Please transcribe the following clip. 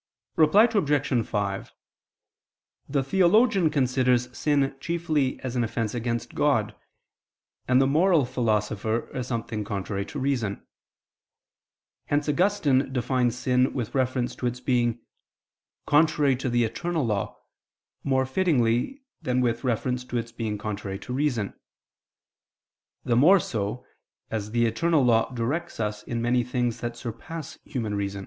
Reply Obj. 5: The theologian considers sin chiefly as an offense against God; and the moral philosopher, as something contrary to reason. Hence Augustine defines sin with reference to its being "contrary to the eternal law," more fittingly than with reference to its being contrary to reason; the more so, as the eternal law directs us in many things that surpass human reason, e.